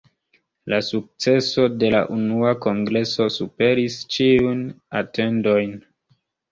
La sukceso de la unua kongreso superis ĉiujn atendojn.